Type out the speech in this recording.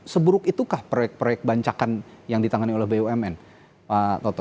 seburuk itukah proyek proyek bancakan yang ditangani oleh bumn pak toto